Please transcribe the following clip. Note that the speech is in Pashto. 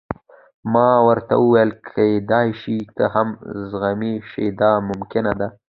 ما ورته وویل: کېدای شي ته هم زخمي شې، دا ممکنه ده.